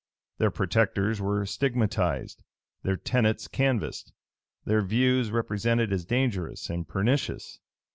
Their protectors were stigmatized; their tenets canvassed; their views represented as dangerous and pernicious.